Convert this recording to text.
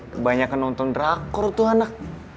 kebanyakan nonton drakor tuh anak